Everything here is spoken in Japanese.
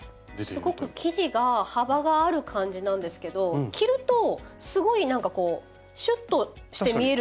すごく生地が幅がある感じなんですけど着るとすごいなんかこうシュッとして見えるなって。